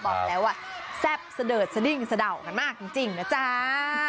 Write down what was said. บอกแล้วว่าแซ่บซะเดิดซะดิ้งซะเดามากจริงนะจ้า